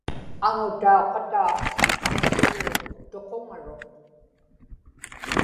aŋutauqataa qaŋasugruk tuquŋaruq